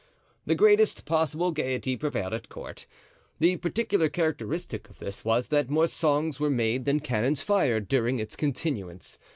The greatest possible gayety prevailed at court. The particular characteristic of this was that more songs were made than cannons fired during its continuance.